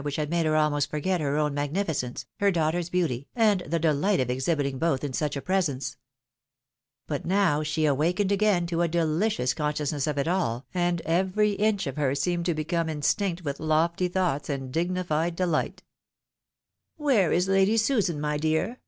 #^/^?^x.^^ <?^ .^.v/'M/g^ C^ ^'U' ,c t^.iX'C? a MEs. o'donagough at cotjkt. 341 which had made her almost forget her own magnificence, her daughter's beauty, and the delight of exhibiting both in such a presence. But now she awakened again to a deUcious con sciousness of it all, and every inch of her seemed to become instinct with lofty thoughts, and dignified dehght. '_' Where is Lady Susan, my dear